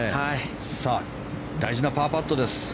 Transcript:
大事なパーパットです。